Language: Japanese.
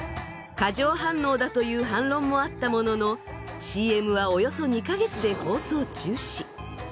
過剰反応だという反論もあったもののＣＭはおよそ２か月で放送中止。